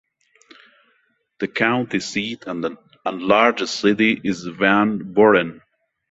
The county seat and largest city is Van Buren.